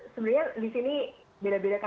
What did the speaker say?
sebenarnya di sini ada beberapa hal